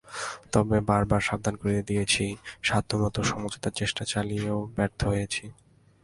তবে বারবার সাবধান করে দিয়েছি, সাধ্যমতো সমঝোতার চেষ্টা চালিয়েও ব্যর্থ হয়েছি।